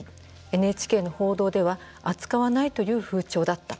ＮＨＫの報道では扱わないという風潮だった。